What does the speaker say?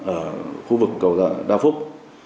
ở khu vực cầu đoạn đao phúc